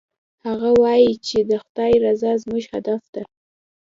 هغه وایي چې د خدای رضا زموږ هدف ده